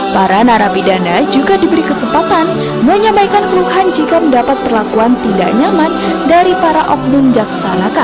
para narapidana juga diberi kesempatan menyampaikan keluhan jika mendapat perlakuan tidak nyaman dari para oknum jaksa nakal